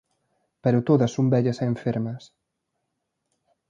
Pero todas son vellas e enfermas.